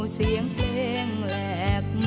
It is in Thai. เสียงเพลงแหลก